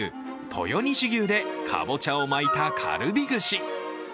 豊西牛でかぼちゃを巻いたカルビ串。